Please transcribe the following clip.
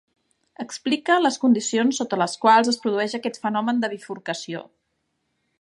Explica les condicions sota les quals es produeix aquest fenomen de bifurcació.